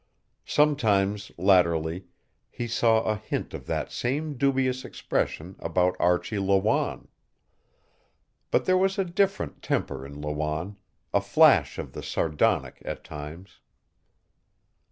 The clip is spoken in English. Sometimes, latterly, he saw a hint of that same dubious expression about Archie Lawanne. But there was a different temper in Lawanne, a flash of the sardonic at times.